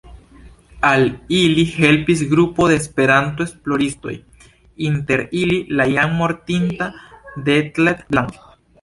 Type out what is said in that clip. Al ili helpis grupo de Esperanto-esploristoj, inter ili la jam mortinta Detlev Blanke.